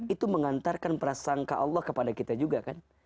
itu mengantarkan prasangka allah kepada kita juga kan